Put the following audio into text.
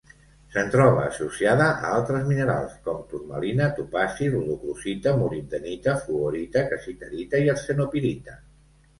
Se'n troba associada a altres minerals, com turmalina, topazi, rodocrosita, molibdenita, fluorita, cassiterita i arsenopirita.